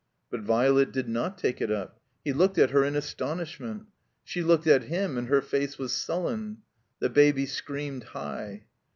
But Violet did not take it up. He looked at her in astonishment. She looked at him, and her face was sullen. The Baby screamed high.